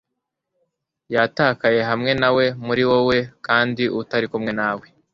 Yatakaye hamwe nawe, muri wowe, kandi utari kumwe nawe